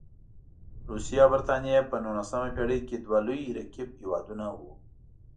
روسیې او برټانیې په نولسمه پېړۍ کې دوه لوی رقیب هېوادونه وو.